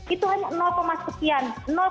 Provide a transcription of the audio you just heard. itu hanya sekian